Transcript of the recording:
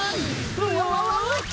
わわわわわっと！